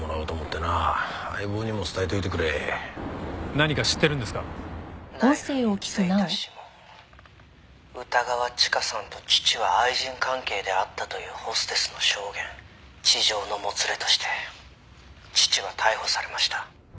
「ナイフに付いた指紋」「歌川チカさんと父は愛人関係であったというホステスの証言」「痴情のもつれとして父は逮捕されました」